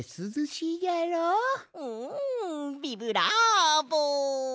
うんビブラーボ！